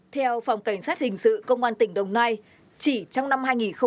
theo phòng cảnh sát hình sự công an tỉnh đồng nai chỉ trong năm hai nghìn hai mươi ba